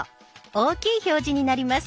大きい表示になります。